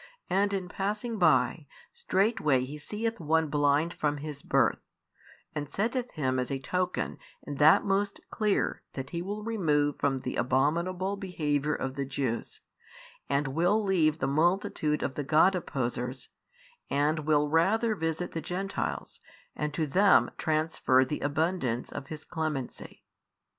And in passing by, straightway He seeth one blind from his birth, and setteth him as a token and that most clear that He will remove from the abominable behaviour of the Jews, and will leave the multitude of the God opposers, and will rather visit the Gentiles, and to them transfer the abundance of His Clemency.